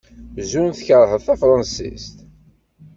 Zun tkerheḍ tanfransist?